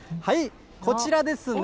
こちらですね。